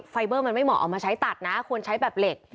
ไฟเบอร์มันไม่เหมาะเอามาใช้ตัดนะควรใช้แบบเหล็ก